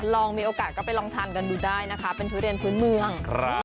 ลองมีโอกาสก็ไปลองทานกันดูได้นะคะเป็นทุเรียนพื้นเมือง